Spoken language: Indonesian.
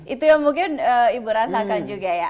itu yang mungkin ibu rasakan juga ya